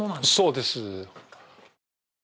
そうです。